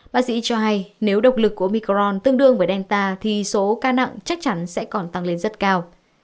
bác sĩ cho hay nếu độc lực của micron tương đương với delta thì số ca nặng chắc chắn sẽ còn tăng lên rất cao